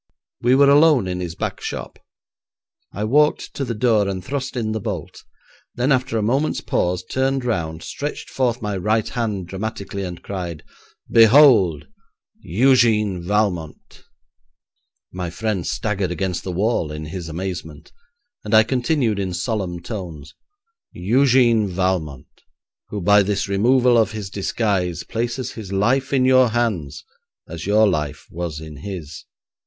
We were alone in his back shop. I walked to the door and thrust in the bolt; then, after a moment's pause, turned round, stretched forth my right hand dramatically, and cried, 'Behold, Eugène Valmont!' My friend staggered against the wall in his amazement, and I continued in solemn tones, 'Eugène Valmont, who by this removal of his disguise places his life in your hands as your life was in his.